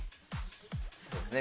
そうですね